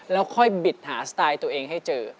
แล้วค่อยบิดหาสไตล์ตัวเองให้เจอ